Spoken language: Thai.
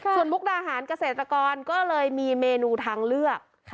ส่วนมุกดาหารเกษตรกรก็เลยมีเมนูทางเลือก